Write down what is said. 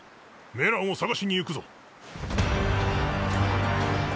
メランを捜しに行くぞ。